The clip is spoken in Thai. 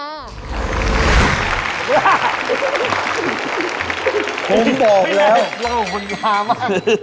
อุ๊ยผมบอกแล้ววุ่ยเหล่ามันเปล่ามาก